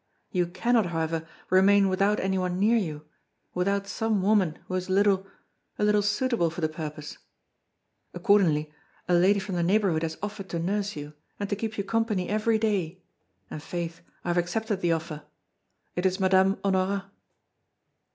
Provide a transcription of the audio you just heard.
You cannot, however, remain without anyone near you, without some woman who is a little a little suitable for the purpose. Accordingly, a lady from the neighborhood has offered to nurse you, and to keep you company every day, and, faith, I have accepted the offer. It is Madame Honorat."